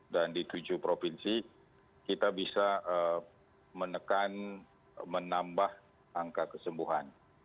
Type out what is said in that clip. dan di tujuh provinsi kita bisa menekan menambah angka kesembuhan